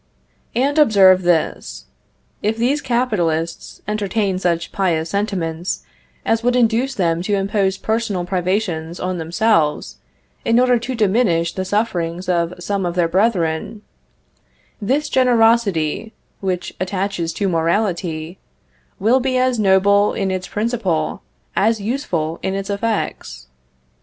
And observe this if these capitalists entertain such pious sentiments as would induce them to impose personal privations on themselves, in order to diminish the sufferings of some of their brethren, this generosity, which attaches to morality, will be as noble in its principle as useful in its effects.